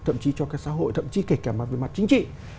thậm chí cho cái xã hội thậm chí kể kèm mặt với mặt chính trị